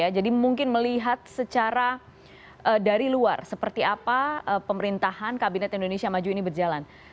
jadi mungkin melihat secara dari luar seperti apa pemerintahan kabinet indonesia maju ini berjalan